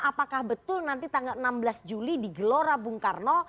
apakah betul nanti tanggal enam belas juli di gelora bung karno